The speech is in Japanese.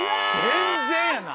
全然やな。